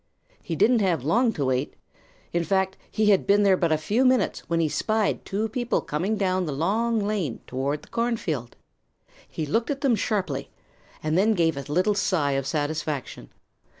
He didn't have long to wait. In fact, he had been there but a few minutes when he spied two people coming down the Long Lane toward the cornfield. He looked at them sharply, and then gave a little sigh of satisfaction.